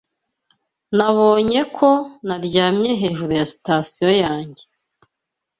Nabonye ko naryamye hejuru ya sitasiyo yanjye.